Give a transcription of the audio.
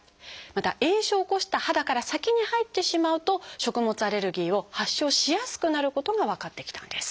また炎症を起こした肌から先に入ってしまうと食物アレルギーを発症しやすくなることが分かってきたんです。